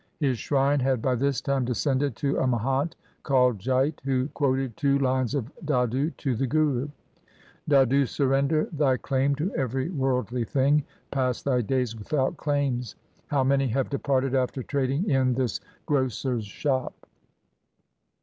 His shrine had by this time descended to a Mahant called J ait, who quoted two lines of Dadu to the Guru :— Dadu, surrender thy claim to every worldly thing ; pass thy days without claims. How many have departed after trading in this grocer's shop